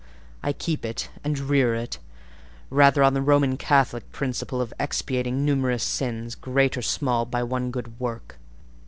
I keep it and rear it rather on the Roman Catholic principle of expiating numerous sins, great or small, by one good work.